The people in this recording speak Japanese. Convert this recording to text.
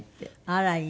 あらいい。